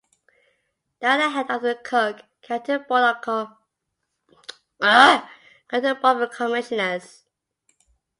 They are the head of the Cook County Board of Commissioners.